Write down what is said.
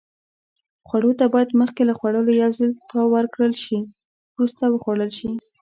خوړو ته باید مخکې له خوړلو یو ځل تاو ورکړل شي. وروسته وخوړل شي.